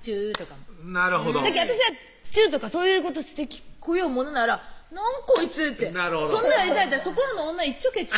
チューとかも私はチューとかそういうことしてこようものならなんこいつってそんなやりたいんだったらそこらの女いっちょけっ